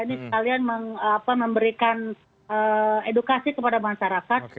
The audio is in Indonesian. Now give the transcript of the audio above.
ini sekalian memberikan edukasi kepada masyarakat